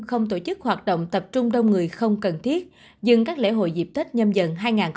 không tổ chức hoạt động tập trung đông người không cần thiết dừng các lễ hội dịp tết nhâm dận hai nghìn hai mươi hai